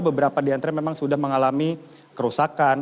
beberapa diantre memang sudah mengalami kerusakan